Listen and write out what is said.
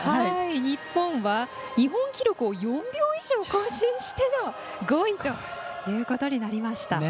日本は日本記録を４秒以上更新しての５位ということになりました。